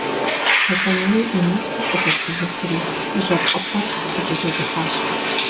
Сэтэней и нэпсым къызэпижыхьри и жьэпкъыпэр пыкӀэзызыхьащ.